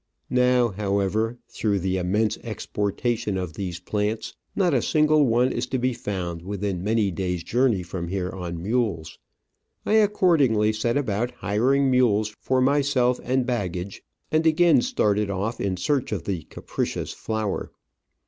Now, however, through the immense exportation of these plants, not a single one is to be found within many days' journey from here on mules. I accord ingly set about hiring mules for myself and baggage, and again started off in search of the capricious flower.